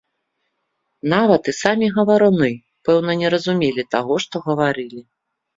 Нават і самі гаваруны, пэўна, не разумелі таго, што гаварылі.